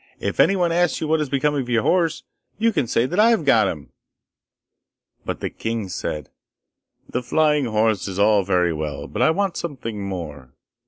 if anyone asks you what has become of your horse, you can say that I have got him!' But the king said, 'The flying horse is all very well, but I want something more.